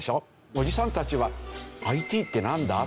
おじさんたちは「ＩＴってなんだ？」